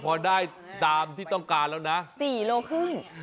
พอได้ตามที่ต้องการแล้วนะ๔โลครึ่ง